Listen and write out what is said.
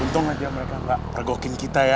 untung aja mereka gak tergokin kita ya